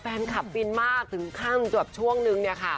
แฟนคับบินมากถึงขั้งจุดแบบช่วงนึงเนี่ยค่ะ